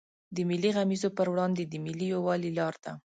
د ملي غمیزو پر وړاندې د ملي یوالي لار ده.